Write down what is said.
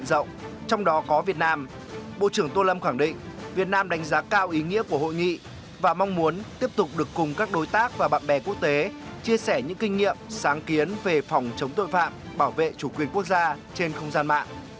trong đó có việt nam bộ trưởng tô lâm khẳng định việt nam đánh giá cao ý nghĩa của hội nghị và mong muốn tiếp tục được cùng các đối tác và bạn bè quốc tế chia sẻ những kinh nghiệm sáng kiến về phòng chống tội phạm bảo vệ chủ quyền quốc gia trên không gian mạng